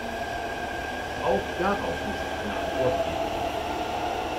Auch darauf muss es eine Antwort geben.